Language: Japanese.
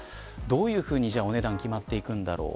どういうふうに、じゃあお値段が決まっていくんだろう。